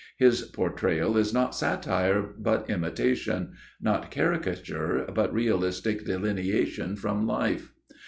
His portrayal is not satire, but imitation; not caricature, but realistic delineation from life.